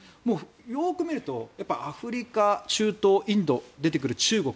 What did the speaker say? よく見るとアフリカ、中東、インド出てくる中国。